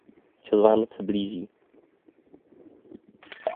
Čas Vánoc se blíží.